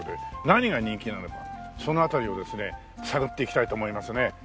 何が人気なのかその辺りをですね探っていきたいと思いますね。